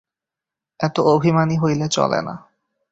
এত অভিমানী হইলে চলে না।